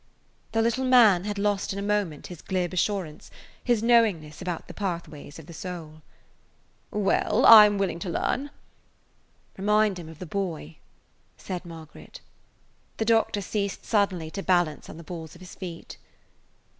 The little man had lost in a moment his glib assurance, his knowingness about the pathways of the soul. "Well, I 'm willing to learn." "Remind him of the boy," said Margaret. The doctor ceased suddenly to balance on the balls of his feet.